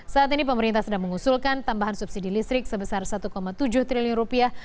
saat ini pemerintah sedang mengusulkan tambahan subsidi listrik sebesar satu tujuh triliun rupiah